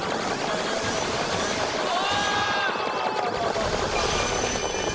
うわ！